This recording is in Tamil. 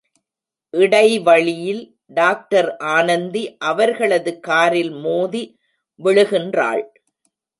இடைவழியில் டாக்டர் ஆனந்தி, அவர்களது காரில் மோதி விழுகின்றாள்.